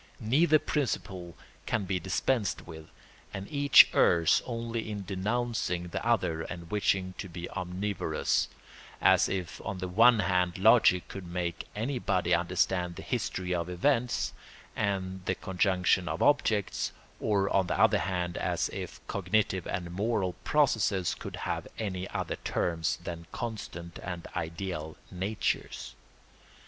Neither principle can be dispensed with, and each errs only in denouncing the other and wishing to be omnivorous, as if on the one hand logic could make anybody understand the history of events and the conjunction of objects, or on the other hand as if cognitive and moral processes could have any other terms than constant and ideal natures.